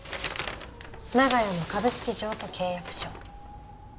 長屋の株式譲渡契約書。